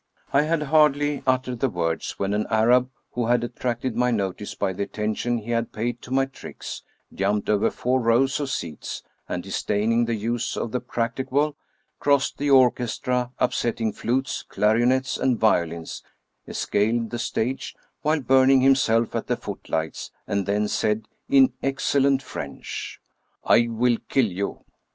I had hardly uttered the words when an Arab, who had attracted my notice by the attention he had paid to my tricks, jumped over four rows of seats, and disdaining the use of the "practicable," crossed the orchestra, upsetting flutes, clarionets, and violins, escaladed the stage, while burning himself at the footlights^ and then said, in excel lent French : "I will kill you!